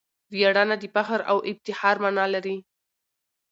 ویاړنه دفخر او افتخار مانا لري.